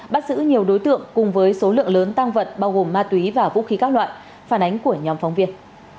bắt giữ nhiều đối tượng cùng với số lượng lớn tăng vật bao gồm ma túy và vũ khí các loại phản ánh của nhóm phóng viên